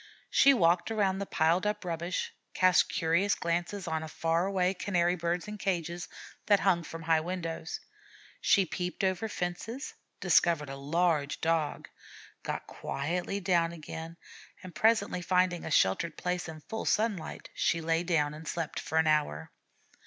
She walked around the piled up rubbish, cast curious glances on far away Canary birds in cages that hung from high windows; she peeped over fences, discovered a large Dog, got quietly down again, and presently finding a sheltered place in full sunlight, she lay down and slept for an hour.